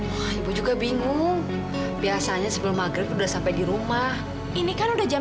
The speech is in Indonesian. wah kayaknya lagi banyak duit loh ya